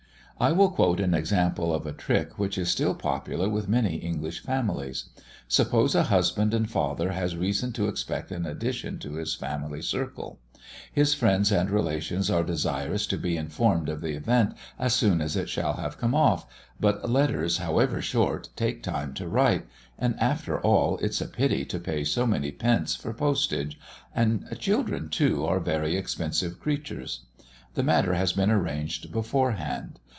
I will quote an example of a trick which is still popular with many English families. Suppose a husband and father has reason to expect an addition to his family circle. His friends and relations are desirous to be informed of the event as soon as it shall have come off, but letters, however short, take time to write; and, after all, its a pity to pay so many pence for postage, and children, too, are very expensive creatures. The matter has been arranged beforehand.